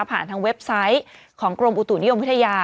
ทางเว็บไซต์ของกรมอุตุนิยมวิทยา